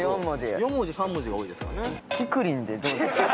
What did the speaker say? ４文字３文字が多いですかね。